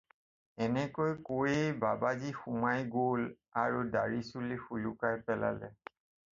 এনেকৈ কৈয়েই বাবাজী সোমাই গ'ল আৰু ডাঢ়ি-চুলি সোলোকাই পেলালে!